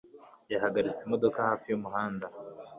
yahagaritse imodoka hafi yumuhanda